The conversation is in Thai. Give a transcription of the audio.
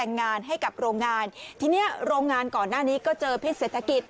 งานให้กับโรงงานทีเนี้ยโรงงานก่อนหน้านี้ก็เจอพิษเศรษฐกิจ